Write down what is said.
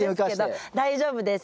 大丈夫です！